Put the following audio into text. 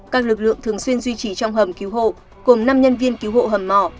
các lực lượng thường xuyên duy trì trong hầm cứu hộ cùng năm nhân viên cứu hộ hầm mỏ